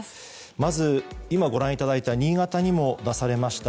まず、今ご覧いただいた新潟にも出されました